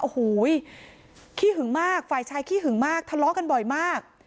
โอ้โหขี้หึงมากฝ่ายชายขี้หึงมากทะเลาะกันบ่อยมาก